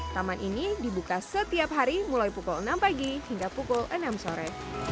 taman ini dibuka setiap hari mulai pukul enam pagi hingga pukul enam sore